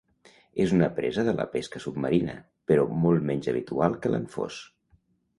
És una presa de la pesca submarina, però molt menys habitual que l'anfós.